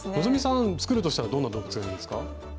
希さん作るとしたらどんな動物がいいですか？